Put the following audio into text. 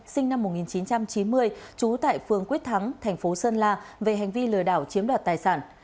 sinh năm một nghìn chín trăm chín mươi trú tại phường quyết thắng thành phố sơn la về hành vi lừa đảo chiếm đoạt tài sản